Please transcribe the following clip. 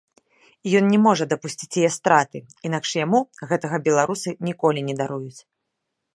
І ён не можа дапусціць яе страты, інакш яму гэтага беларусы ніколі не даруюць.